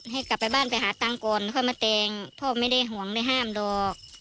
ให้กลับไปบ้านไปหาตังค์ก่อนค่อยมาแต่งพ่อไม่ได้ห่วงไม่ห้ามหรอก